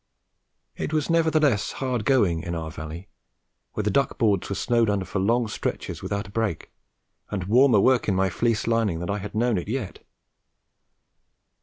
It was nevertheless hard going in our valley, where the duck boards were snowed under for long stretches without a break, and warmer work in my fleece lining than I had known it yet.